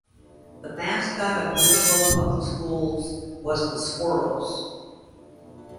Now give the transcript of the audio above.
The mascot of Winslow Public Schools was the Squirrels.